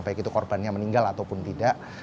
baik itu korbannya meninggal ataupun tidak